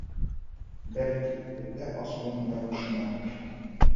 Бәлки, бөтә асыуым да шунандыр.